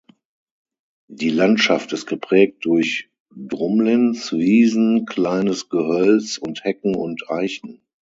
Die Landschaft ist geprägt durch Drumlins, Wiesen, kleines Gehölz und Hecken und Eichen.